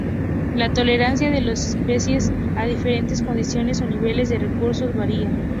La tolerancia de las especies a las diferentes condiciones o niveles de recursos varía.